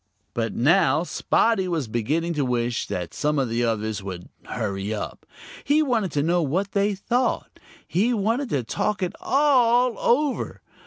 But now Spotty was beginning to wish that some of the others would hurry up. He wanted to know what they thought. He wanted to talk it all over.